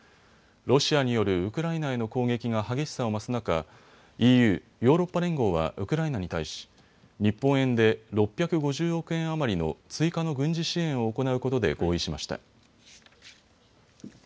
ロシアによるウクライナへの攻撃が激しさを増す中、ＥＵ・ヨーロッパ連合はウクライナに対し日本円で６５０億円余りの追加の軍事支援を行うことで合意しました。